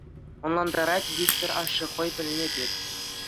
Ӑнлантарать Вихтӗр ашшӗ хӑй пӗлнӗ пек.